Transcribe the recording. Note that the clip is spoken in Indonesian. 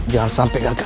jangan sampai gagal